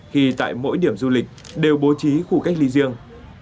khi tại mỗi điểm du lịch đều bố trí khu cách ly riêng